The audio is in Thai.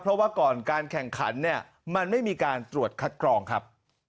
เพราะว่าก่อนการแข่งขันเนี่ยมันไม่มีการตรวจคัดกรองครับ